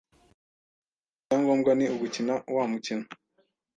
ahubwo icya ngombwa ni ugukina wa mukino.”